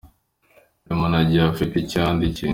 "Buri muntu agiye afite icyo yandikiwe.